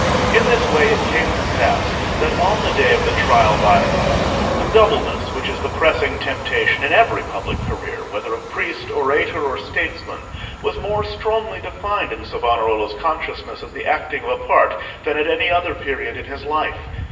In this way it came to pass that on the day of the Trial by Fire, the doubleness which is the pressing temptation in every public career, whether of priest, orator, or statesman, was more strongly defined in Savonarola's consciousness as the acting of a part, than at any other period in his life.